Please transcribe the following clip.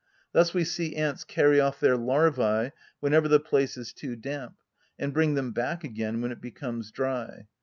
Thus we see ants carry off their larvæ whenever the place is too damp, and bring them back again when it becomes dry.